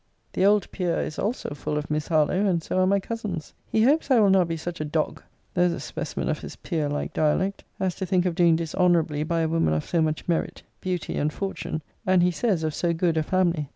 The old peer is also full of Miss Harlowe: and so are my cousins. He hopes I will not be such a dog [there's a specimen of his peer like dialect] as to think of doing dishonourably by a woman of so much merit, beauty, and fortune; and he says of so good a family.